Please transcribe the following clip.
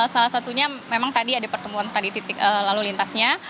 yang salah satunya memang tadi ada pertemuan di lalu lintasnya